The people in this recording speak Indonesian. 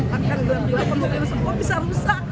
makan gelap gelapan mobil rusak kok bisa rusak